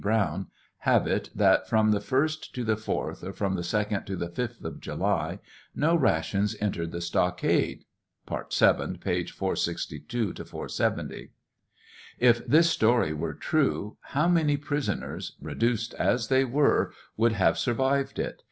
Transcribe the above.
Brown, have it that from the first to the fourth, or from the second to the fifth of July, no rations entered the stockade. (Part 7, page 462 470.) If this story were true, how many prisoners — reduced as they were — would have survived it?